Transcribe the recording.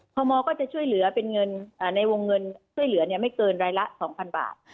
พมก็จะช่วยเหลือเป็นเงินในวงเงินช่วยเหลือไม่เกินรายละ๒๐๐บาท